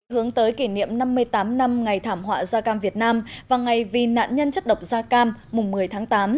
hướng tới kỷ niệm năm mươi tám năm ngày thảm họa da cam việt nam và ngày vì nạn nhân chất độc da cam mùng một mươi tháng tám